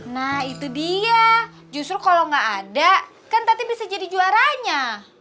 nah itu dia justru kalau nggak ada kan tati bisa jadi juaranya